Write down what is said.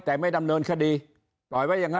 แต่ไม่ดำเนินคดีปล่อยไว้อย่างนั้น